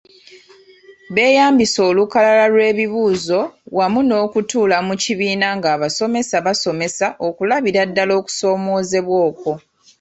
Beeyambisa olukalala lw’ebibuuzo wamu n’okutuula mu kibiina ng’abasomesa basomesa okulabira ddala okusomoozebwa okwo.